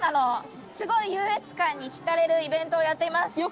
すごい優越感に浸れるイベントをやっています。